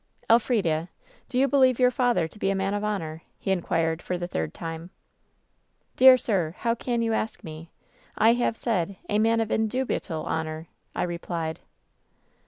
" 'Elfrida, do you believe your father to be a man of honor V he inquired, for the third time. " 'Dear sir, how can you ask me ? I have said, *'a man of indubitable honor," ' I replied.